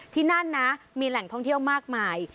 ที่นั่นนะมีแหล่งท่องเที่ยวมากมาย